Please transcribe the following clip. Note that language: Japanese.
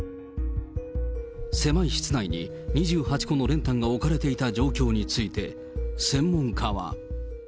狭い室内に２８個の練炭が置かれていた状況について、専門家は。